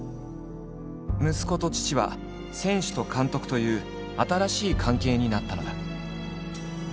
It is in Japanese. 「息子と父」は「選手と監督」という新しい関係になったのだ。